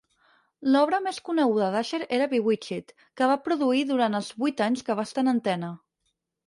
L'obra més coneguda d'Asher era "Bewitched", que va produir durant els vuit anys que va estar en antena.